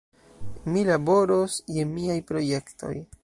Mi laboros je miaj projektoj.